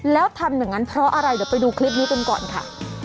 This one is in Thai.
แล้วทำอย่างนั้นเพราะอะไรเดี๋ยวไปดูคลิปนี้กันก่อนค่ะ